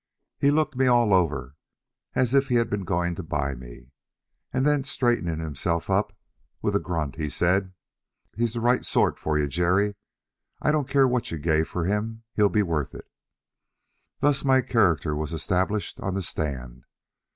He looked me all over, as if he had been going to buy me; and then straightening himself up with a grunt, he said, "He's the right sort for you, Jerry; I don't care what you gave for him, he'll be worth it." Thus my character was established on the stand.